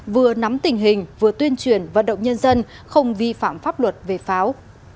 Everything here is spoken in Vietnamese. vừa nắm tình hình vừa tuyên truyền vận động nhân dân không vi phạm pháp luật về pháo